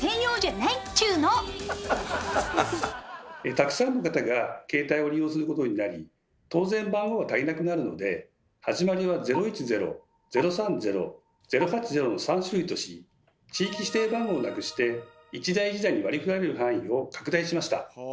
たくさんの方が携帯を利用することになり当然番号は足りなくなるので始まりは「０１０」「０３０」「０８０」の３種類とし地域指定番号をなくして一台一台に割り振られる範囲を拡大しました。